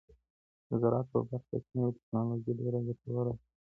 د زراعت په برخه کې نوې ټیکنالوژي ډیره ګټوره ده.